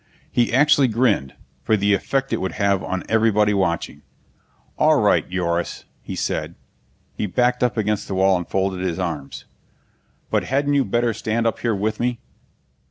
He actually grinned, for the effect it would have on everybody watching. "All right, Yoris," he said. He backed against the wall and folded his arms. "But hadn't you better stand up here with me?"